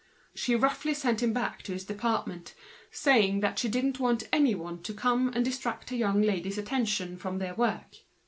She roughly sent him back to his department, saying she didn't want anyone to come and distract her young ladies from their work.